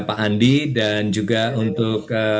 pak andi dan juga untuk